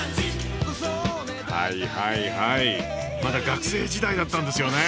はいはいはいまだ学生時代だったんですよね。